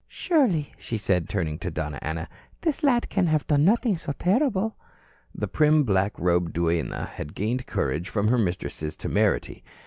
"Surely," she said, turning to Donna Ana, "this lad can have done nothing so terrible." The prim, black robed duenna had gained courage from her mistress's temerity.